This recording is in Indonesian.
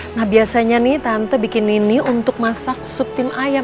nah biasanya nih tante bikin ini untuk masak sup tim ayam